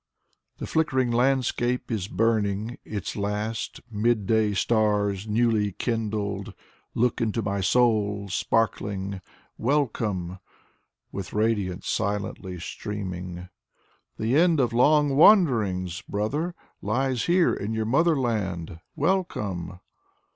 The flickering landscape is burning Its last: mid day stars newly kindled Look into my soul, sparkling :" Welcome," With radiance silently streaming: " The end of long wanderings, brother. Lies here, in your motherland, welcome!"